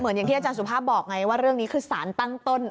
อย่างที่อาจารย์สุภาพบอกไงว่าเรื่องนี้คือสารตั้งต้น